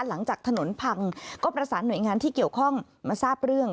หลังจากถนนพังก็ประสานหน่วยงานที่เกี่ยวข้องมาทราบเรื่อง